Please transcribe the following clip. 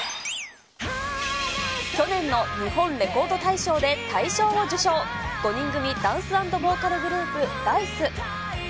去年の日本レコード大賞で大賞を受賞、５人組ダンス＆ボーカルグループ、ダイス。